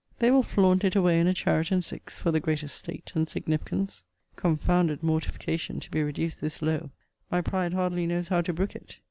They will flaunt it away in a chariot and six, for the greater state and significance. Confounded mortification to be reduced this low! My pride hardly knows how to brook it.